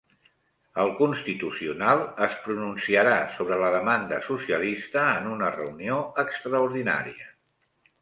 El Constitucional es pronunciarà sobre la demanda socialista en una reunió extraordinària